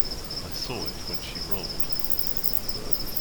I saw it when she rolled.